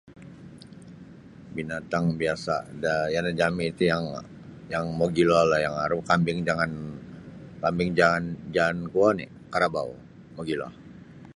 Binatang biasa da yanan jami ti yang yang mogilolah yang aru kambing jangan kambing jangan jaan kuo oni karabau mogilo.